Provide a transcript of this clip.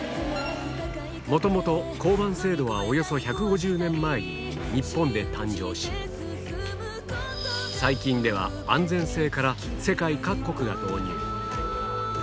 もともと交番制度はおよそ１５０年前に日本で誕生し、最近では安全性から世界各国が導入。